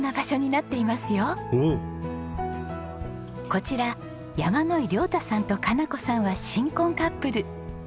こちら山野井亮太さんと佳菜子さんは新婚カップル。